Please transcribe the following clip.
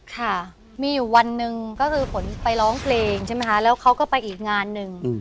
ค่ะมีอยู่วันหนึ่งก็คือฝนไปร้องเพลงใช่ไหมคะแล้วเขาก็ไปอีกงานหนึ่ง